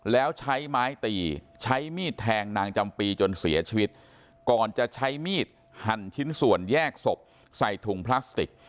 แล้วใช้ไม้ตีใช้มีดแทงนางจำปีจนเสียชีวิตก่อนจะใช้มีดหั่นชิ้นส่วนแยกศพใส่ถุงพลาสติก